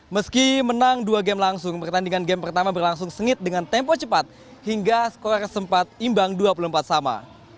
meski menang dua game langsung pertandingan game pertama berlangsung sengit dengan tempo cepat hingga skor sempat imbang dua puluh empat sama